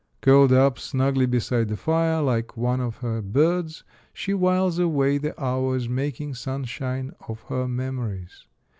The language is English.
Curled up snugly beside the fire, like one of her birds, she whiles away the hours making sunshine of her memories.